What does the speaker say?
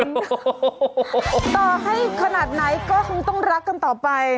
ต่อให้ขนาดไหนก็คงต้องรักกันต่อไป